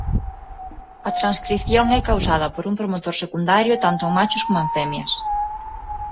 A transcrición é causada por un promotor secundario tanto en machos coma en femias.